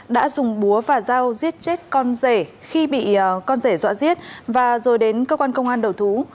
đã dùng búa và dao giết chết con rể khi bị con rể dọa giết và rồi đến cơ quan công an đầu thú